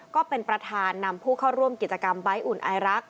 ก็เป็นประธานนำผู้เข้าร่วมกิจกรรมใบ้อุ่นไอรัก